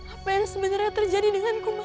apa yang sebenarnya terjadi dengan kumail